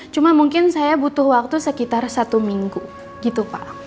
cuma mungkin saya butuh waktu sekitar satu minggu gitu pak